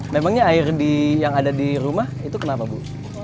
memangnya air yang ada di rumah itu kenapa bu